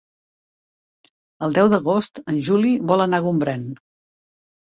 El deu d'agost en Juli vol anar a Gombrèn.